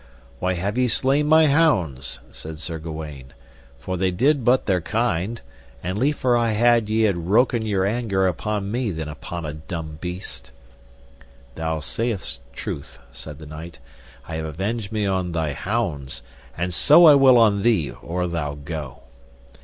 Why have ye slain my hounds? said Sir Gawaine, for they did but their kind, and liefer I had ye had wroken your anger upon me than upon a dumb beast. Thou sayest truth, said the knight, I have avenged me on thy hounds, and so I will on thee or thou go.